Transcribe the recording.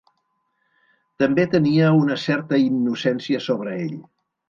També tenia una certa innocència sobre ell.